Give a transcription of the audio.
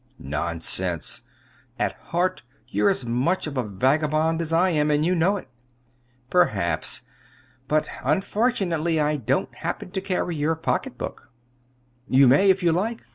"Nonsense! At heart you're as much of a vagabond as I am; and you know it." "Perhaps. But unfortunately I don't happen to carry your pocketbook." "You may, if you like.